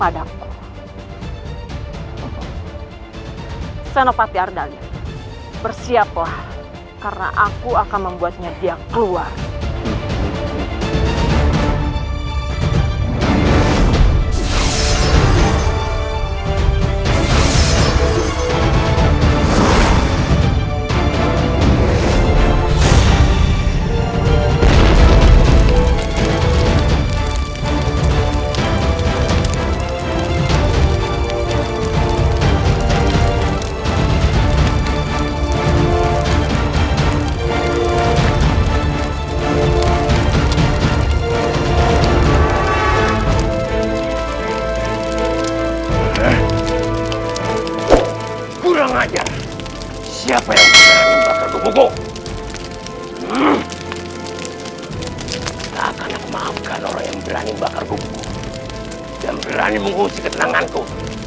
dan berani mengusik ketenanganku